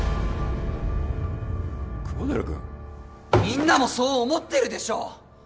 みんなもそう思ってるでしょ？